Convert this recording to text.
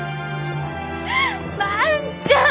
万ちゃん！